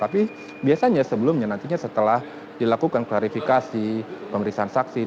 tapi biasanya sebelumnya nantinya setelah dilakukan klarifikasi pemeriksaan saksi